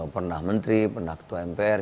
pernah menteri pernah ketua mpr